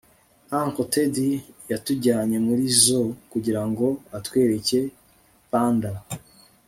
uncle ted yatujyanye muri zoo kugirango atwereke panda